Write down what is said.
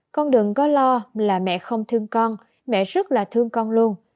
con đường có lo là mẹ không thương con mẹ rất là thương con luôn